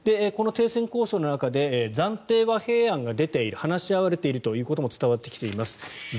この停戦交渉の中で暫定和平案が出ている話し合われているということも伝わってきています。